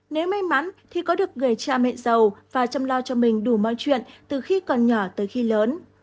nếu may mắn thì có được người cha mẹ giàu và chăm lo cho mình đủ mọi chuyện từ khi còn nhỏ tới khi lớn